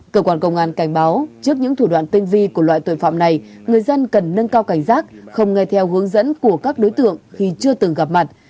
cơ quan công an cảnh báo trước những thủ đoạn tinh vi của loại tội phạm này người dân cần nâng cao cảnh giác không nghe theo hướng dẫn của các đối tượng khi chưa từng gặp mặt